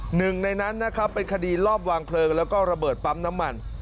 หนึ่งในนั้นนะครับเป็นคดีรอบวางเพลิงแล้วก็ระเบิดปั๊มน้ำมัน